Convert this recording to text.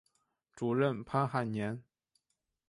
主任潘汉年。